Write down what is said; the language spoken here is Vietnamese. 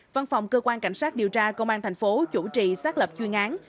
văn phòng cơ quan cảnh sát điều tra công an thành phố chủ trì xác lập chuyên án